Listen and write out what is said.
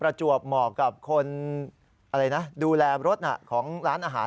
ประจวบเหมาะกับคนอะไรนะดูแลรถของร้านอาหาร